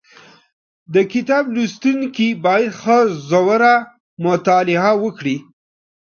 د کتاب لوستونکي باید ښه ژوره مطالعه وکړي